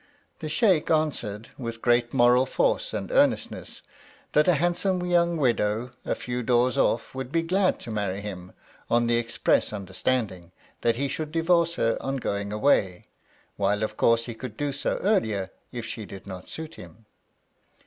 The Sheykh answered, with great moral force and earnestness, that a handsome young widow a few doors off would be glad to marry him, on the express understanding that he should divorce her on going away; while of course he could do so earlier if she did not suit him.